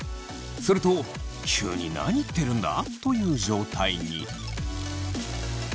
すると急に何言ってるんだ？という状態に。